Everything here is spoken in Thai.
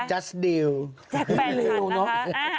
แจ๊กดิวแจ๊กแปดหันนะคะอ่า